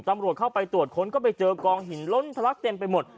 ตำรวจเข้าไปตรวจค้นก็ไปเจอกองหินล้นทะลักเต็มไปหมด